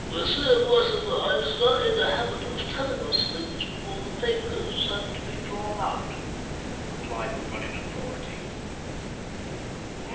" Maitre Boisselot is not in the habit of telling us things before the papers have to be drawn out/' replied the one in authority.